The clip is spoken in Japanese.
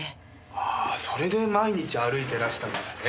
ああそれで毎日歩いてらしたんですね。